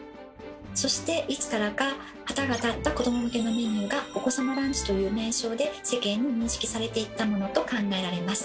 そしていつからか旗が立った子ども向けのメニューが「お子様ランチ」という名称で世間に認識されていったものと考えられます。